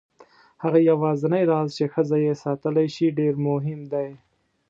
هغه یوازینی راز چې ښځه یې ساتلی شي ډېر مهم دی.